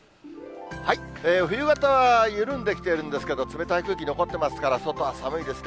冬型は緩んできているんですけれども、冷たい空気残ってますから、外は寒いですね。